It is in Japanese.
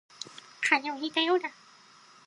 風邪をひいたようだ